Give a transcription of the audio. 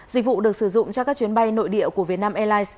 dịch vụ được sử dụng cho các chuyến bay nội địa của vietnam airlines